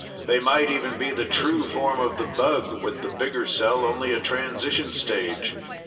They might even be the true form of the bug, with the bigger cell only a transition stage.